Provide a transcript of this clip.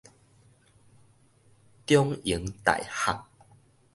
長榮大學